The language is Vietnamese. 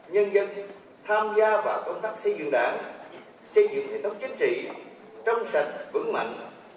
nhân dân tham gia vào công tác xây dựng đảng xây dựng hệ thống chính trị trong sạch vững mạnh